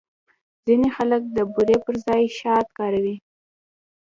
ځینې خلک د بوري پر ځای شات کاروي.